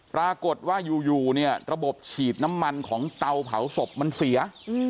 ปรากฏว่าอยู่เนี่ยระบบฉีดน้ำมันของเตาเผาศพมันเสีย